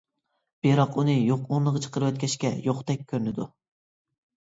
بىراق ئۇنى يوق ئورنىغا چىقىرىۋەتكەچكە يوقتەك كۆرۈنىدۇ.